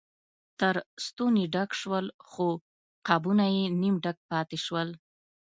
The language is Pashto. تر ستوني ډک شول خو قابونه یې نیم ډک پاتې شول.